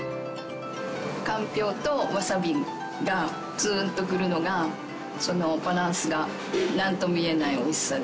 かんぴょうとワサビがツーンとくるのがそのバランスがなんとも言えない美味しさです。